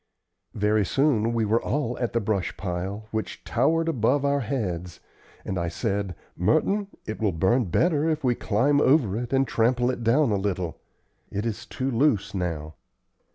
Very soon we were all at the brush pile, which towered above our heads, and I said: "Merton, it will burn better if we climb over it and trample it down a little. It is too loose now.